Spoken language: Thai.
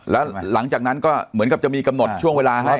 แล้วหลังจากนั้นก็เหมือนกับจะมีกำหนดช่วงเวลาให้